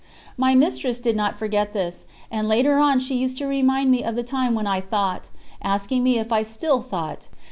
"_ My mistress did not forget this, and later on she used to remind me of the time when I thought, asking me if I still _thought.